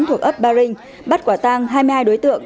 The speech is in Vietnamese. thuộc ấp baring bắt quả tang hai mươi hai đối tượng